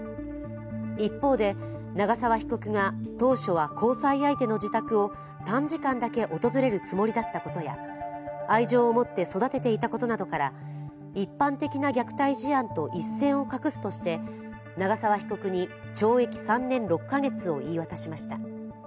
一方で、長沢被告が当初は交際相手の自宅を短時間だけ訪れるつもりだったことや愛情を持って育てていたことなどから、一般的な虐待事案と一線を画すとして長沢被告に懲役３年６か月を言い渡しました。